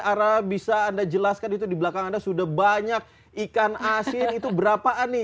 ara bisa anda jelaskan itu di belakang anda sudah banyak ikan asin itu berapaan nih